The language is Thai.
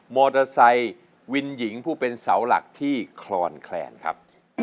มอเตอร์ไซค์วินหญิงผู้เป็นเสาหลักที่คลอนแคลนครับ